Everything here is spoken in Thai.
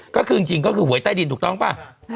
ก็คือจริงก็คือหวยใต้ดินถูกต้องป่ะ